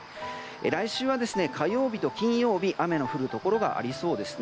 来週は、火曜日と金曜日雨の降るところがありそうです。